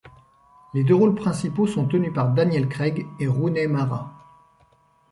Les deux rôles principaux sont tenus par Daniel Craig et Rooney Mara.